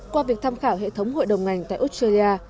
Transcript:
qua việc tham khảo hệ thống hội đồng ngành tại australia